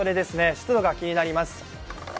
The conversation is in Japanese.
湿度が気になります。